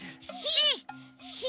「し」！